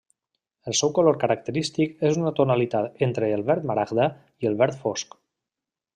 El seu color característic és una tonalitat entre el verd maragda i el verd fosc.